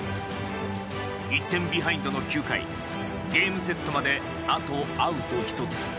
１点ビハインドの９回ゲームセットまであとアウト１つ。